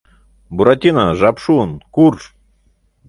— Буратино, жап шуын, курж!